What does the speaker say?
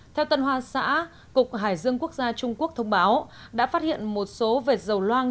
theo tân hoa xã cục hải dương quốc gia trung quốc thông báo đã phát hiện một số vệt dầu loang